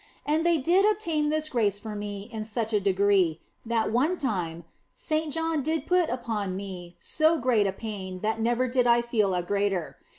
And they did obtain this grace for me in such a degree that one time Saint John did put upon me so great a pain that never did I feel a greater.